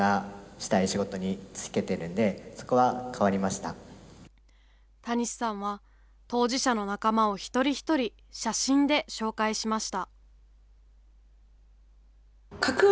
たにしさんは、当事者の仲間を一人一人写真で紹介しました。